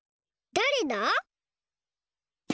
だれだ？